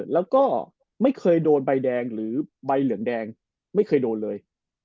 แล้วก็ไม่เคยโดนใบแดงหรือใบเหลืองแดงไม่เคยโดนเลย